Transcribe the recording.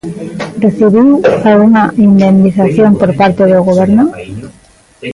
Recibiu algunha indemnización por parte do Goberno?